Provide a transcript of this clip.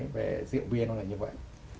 về rượu bia nó là như vậy